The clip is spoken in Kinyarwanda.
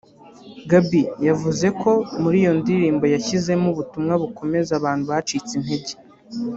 Gaby yavuze ko muri iyo ndirimbo yashyizemo ubutumwa bukomeza abantu bacitse intege